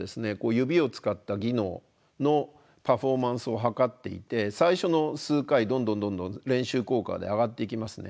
指を使った技能のパフォーマンスを測っていて最初の数回どんどんどんどん練習効果で上がっていきますね。